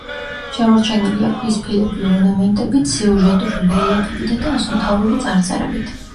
შემორჩენილია ქვის ფილები ორნამენტებით, სიუჟეტური რელიეფებითა და ასომთავრული წარწერებით.